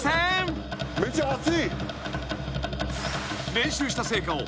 ［練習した成果を］